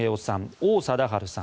王貞治さん